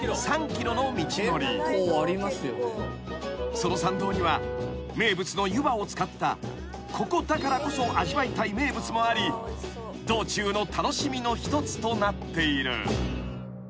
［その参道には名物の湯葉を使ったここだからこそ味わいたい名物もあり道中の楽しみの一つとなっている］